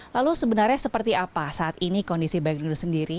lalu sebenarnya seperti apa saat ini kondisi baik nuril sendiri